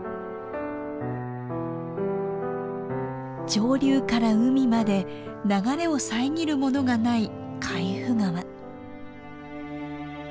上流から海まで流れを遮るものがない海部川。